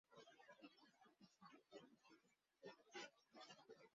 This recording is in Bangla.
আরো অনেক নিরীহ মানুষ আহত হন।